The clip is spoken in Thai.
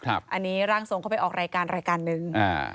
อันนี้ร่างทรงเข้าไปออกรายการรายการหนึ่ง